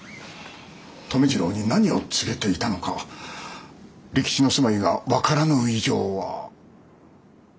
留次郎に何を告げていたのか利吉の住まいが分からぬ以上は。